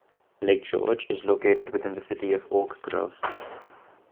Lake George is located within the city of Oak Grove.